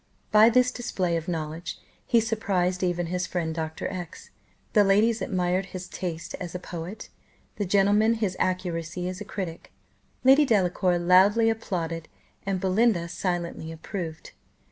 By this display of knowledge he surprised even his friend Dr. X . The ladies admired his taste as a poet, the gentlemen his accuracy as a critic; Lady Delacour loudly applauded, and Belinda silently approved.